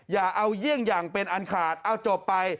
อย่าเอาเยี่ยงอย่างเป็นอันขาดเอาจบไป